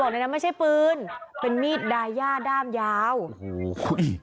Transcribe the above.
ในนั้นไม่ใช่ปืนเป็นมีดดายาด้ามยาวโอ้โหคุณ